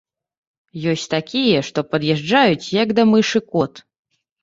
Ёсць такія, што пад'язджаюць, як да мышы кот.